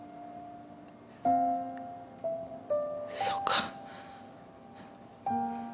そうか。